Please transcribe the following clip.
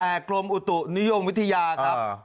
แต่กรมอุตุนิยมวิทยาครับ